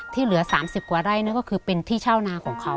เหลือ๓๐กว่าไร่นั่นก็คือเป็นที่เช่านาของเขา